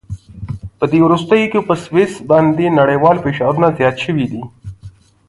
په دې وروستیو کې په سویس باندې نړیوال فشارونه زیات شوي دي.